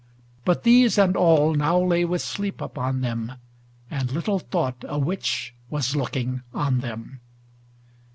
But these and all now lay with sleep upon them. And little thought a Witch was looking on them.